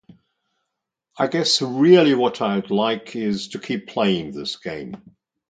I guess really what I'd like is to keep playing this game.